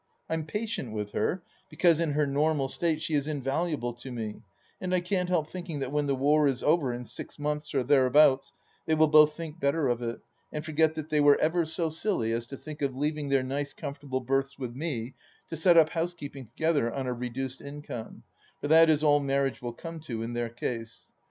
I'm patient with her, because in her normal state she is in valuable to me, and I can't help thinking that when the War is over in six months or thereabouts, they will both think better of it and forget that they were ever so silly as to think of leaving their nice comfortable berths with me, to set up housekeeping together on a reduced income, for that is all marriage will come to in their case.